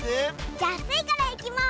じゃあスイからいきます！